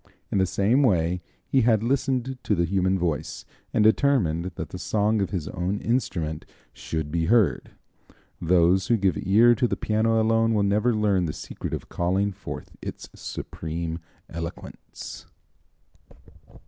In the same way he had listened to the human voice, and determined that the song of his own instrument should be heard. Those who give ear to the piano alone will never learn the secret of calling forth its supreme eloquence.